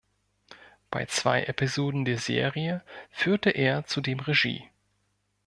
Bei zwei Episoden der Serie führte er zudem Regie.